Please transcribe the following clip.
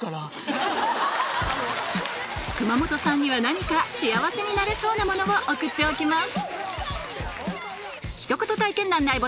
熊元さんには何か幸せになれそうなものを送っておきます